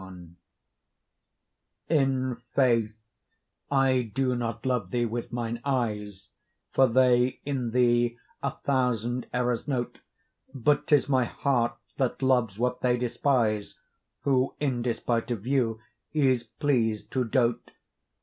CXLI In faith I do not love thee with mine eyes, For they in thee a thousand errors note; But 'tis my heart that loves what they despise, Who, in despite of view, is pleased to dote.